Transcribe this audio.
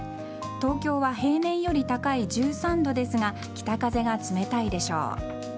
東京は平年より高い１３度ですが北風が冷たいでしょう。